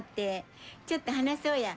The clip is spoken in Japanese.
ちょっと話そうや。